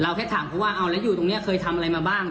แค่ถามเขาว่าเอาแล้วอยู่ตรงนี้เคยทำอะไรมาบ้าง